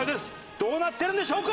どうなってるんでしょうか？